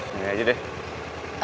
ini aja deh